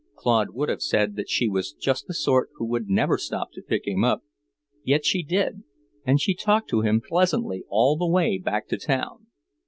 Claude would have said that she was just the sort who would never stop to pick him up, yet she did, and she talked to him pleasantly all the way back to town.